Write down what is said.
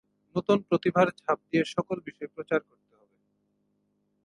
নূতন প্রতিভার ছাপ দিয়ে সকল বিষয় প্রচার করতে হবে।